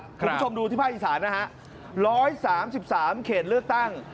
คุณผู้ชมดูที่ภาคอีสานนะฮะ๑๓๓เขตเลือกตั้ง